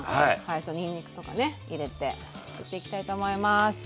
あとにんにくとかね入れてつくっていきたいと思います。